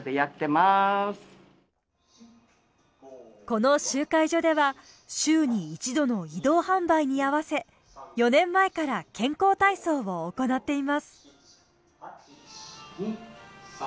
この集会所では週に一度の移動販売に合わせ４年前から健康体操を行っています。